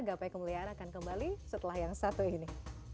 gapai kemuliaan akan kembali setelah yang satu ini